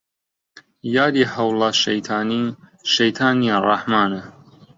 یادی حەوڵا شەیتانی شەیتان نیە ڕەحمانە